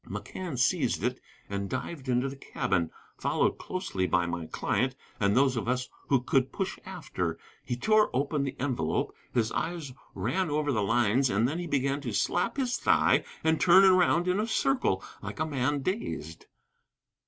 McCann seized it and dived into the cabin, followed closely by my client and those of us who could push after. He tore open the envelope, his eye ran over the lines, and then he began to slap his thigh and turn around in a circle, like a man dazed.